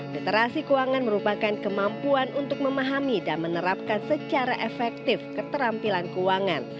literasi keuangan merupakan kemampuan untuk memahami dan menerapkan secara efektif keterampilan keuangan